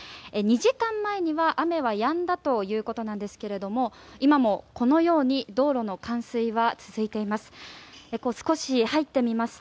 ２時間前には雨はやんだということなんですが今もこのように道路の冠水は続いています。